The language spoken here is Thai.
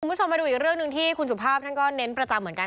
คุณผู้ชมมาดูอีกเรื่องหนึ่งที่คุณสุภาพท่านก็เน้นประจำเหมือนกัน